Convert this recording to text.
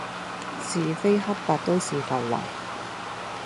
是非黑白都是浮雲